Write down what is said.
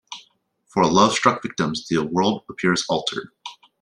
For love-struck victims, the world appears altered.